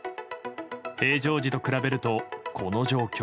平常時と比べると、この状況。